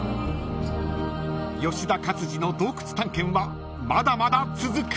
［吉田勝次の洞窟探検はまだまだ続く］